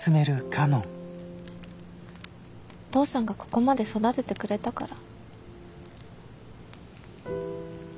お父さんがここまで育ててくれたから。